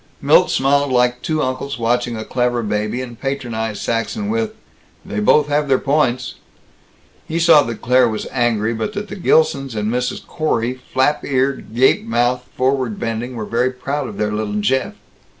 Milt smiled like two uncles watching a clever baby, and patronized Saxton with, "They both have their points." He saw that Claire was angry; but that the Gilsons and Mrs. Corey, flap eared, gape mouthed, forward bending, were very proud of their little Jeff.